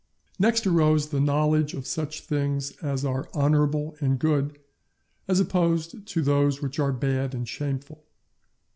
Next arose the knowledge of such things as are honourable and good, as opposed to those which are bad and shameful.